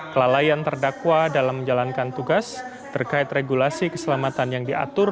kelalaian terdakwa dalam menjalankan tugas terkait regulasi keselamatan yang diatur